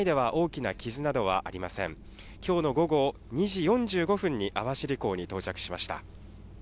きょうの午後２時４５分に、網走港に到着しました。